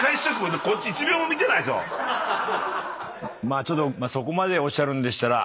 まあちょっとそこまでおっしゃるんでしたら。